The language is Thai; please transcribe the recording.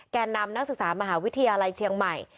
แก่นำนักศึกษามหาวิทยาลัยเชียงใหม่